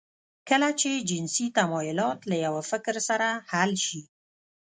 کله چې جنسي تمایلات له یوه فکر سره حل شي